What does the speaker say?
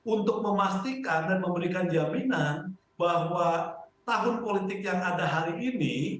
untuk memastikan dan memberikan jaminan bahwa tahun politik yang ada hari ini